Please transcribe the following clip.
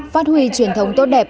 phát huy truyền thống tốt đẹp